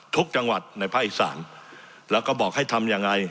จังหวัดในภาคอีสานแล้วก็บอกให้ทำยังไง